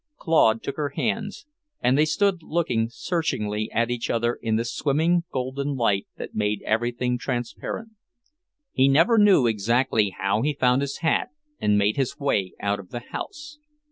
Claude took her hands and they stood looking searchingly at each other in the swimming golden light that made everything transparent. He never knew exactly how he found his hat and made his way out of the house.